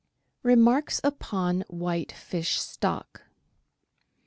Remarks upon White Fish Stock.